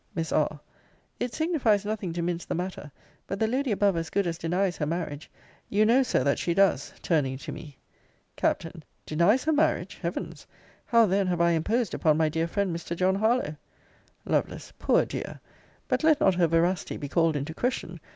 Miss R. It signifies nothing to mince the matter: but the lady above as good as denies her marriage. You know, Sir, that she does; turning to me. Capt. Denies her marriage! Heavens! how then have I imposed upon my dear friend Mr. John Harlowe! Lovel. Poor dear! But let not her veracity be called into question.